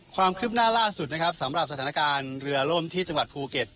ความคืบหน้าล่าสุดนะครับสำหรับสถานการณ์เรือล่มที่จังหวัดภูเก็ต